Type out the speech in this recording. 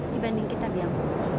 dibanding kita tiang